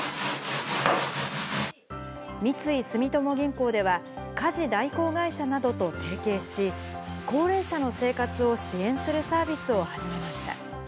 三井住友銀行では、家事代行会社などと提携し、高齢者の生活を支援するサービスを始めました。